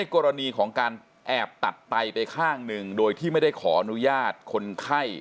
กรณีของการแอบตัดไตไปข้างหนึ่งโดยที่ไม่ได้ขออนุญาตคนไข้